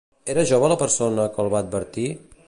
Era jove la persona que el va advertir?